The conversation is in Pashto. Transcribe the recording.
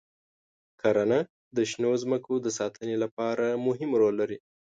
کرنه د شنو ځمکو د ساتنې لپاره مهم رول لري.